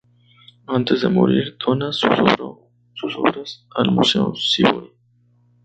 Antes de morir dona sus obras al Museo Sívori.